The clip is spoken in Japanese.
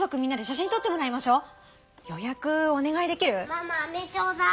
ママあめちょうだい。